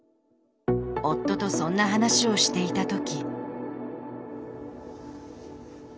夫とそんな話をしていた時。